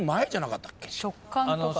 食間とか。